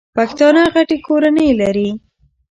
پښتانه غټي کورنۍ لري.